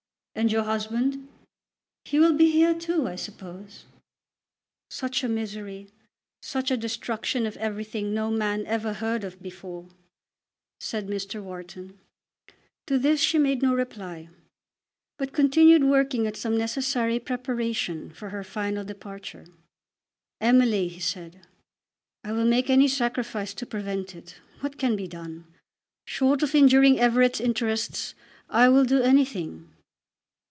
"And your husband?" "He will be here too, I suppose." "Such a misery, such a destruction of everything no man ever heard of before!" said Mr. Wharton. To this she made no reply, but continued working at some necessary preparation for her final departure. "Emily," he said, "I will make any sacrifice to prevent it. What can be done? Short of injuring Everett's interests I will do anything."